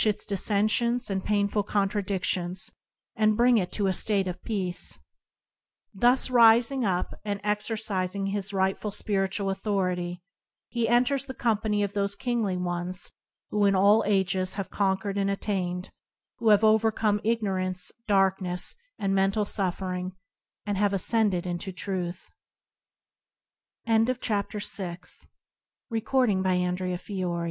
its dissensions and painful contradictions, and bring it to a state of peace. Thus rising up and exercising his right [51 ] ful spiritual authority, he enters the com pany of those kingly ones who in all ages have conquered and attained, who have overcome ignorance, darkness, and mental suffering, and have ascen